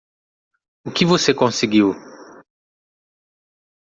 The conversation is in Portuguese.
O que voce conseguiu?